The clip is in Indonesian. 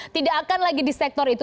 tidak akan lagi di sektor itu